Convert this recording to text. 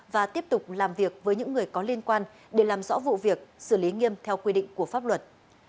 và tiếp tục làm việc với những người có liên quan để làm rõ vụ việc xử lý nghiêm theo quy định của pháp luật